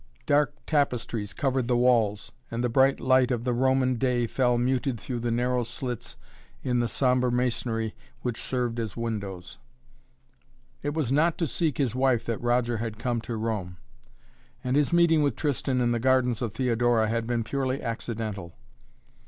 Dark tapestries covered the walls and the bright light of the Roman day fell muted through the narrow slits in the sombre masonry which served as windows. It was not to seek his wife that Roger had come to Rome, and his meeting with Tristan in the gardens of Theodora had been purely accidental.